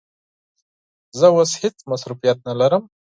زه اوس هیڅ مصروفیت نه لرم.